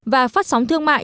và phát sóng thương mại